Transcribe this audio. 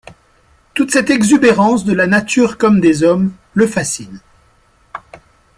Toute cette exubérance, de la nature comme des hommes, le fascine.